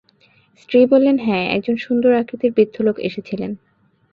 স্ত্রী বললেনঃ হ্যাঁ, একজন সুন্দর আকৃতির বৃদ্ধলোক এসেছিলেন।